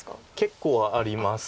結構あります。